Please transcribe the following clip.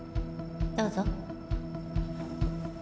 どうぞ